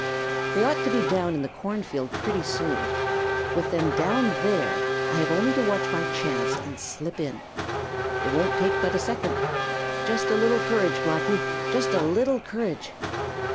They ought to be down in the cornfield pretty soon. With them down there, I have only to watch my chance and slip in. It won't take but a second. Just a little courage, Blacky, just a little courage!